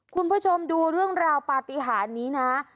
คุณผู้ชมดูเรื่องราวปฏิหารนี้นะ